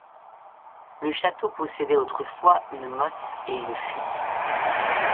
Le château possédait autrefois une motte et une fuie.